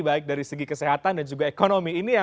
baik dari segi kesehatan dan juga ekonomi